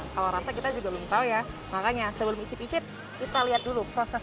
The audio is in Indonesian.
kalau rasa kita juga belum tahu ya makanya sebelum icip icip kita lihat dulu proses